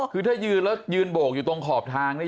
คือถ้ายืนแล้วยืนโบกอยู่ตรงขอบทางนี่